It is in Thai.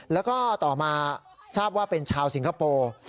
แล้วก็ต่อมาทราบว่าเป็นชาวสิงคโปร์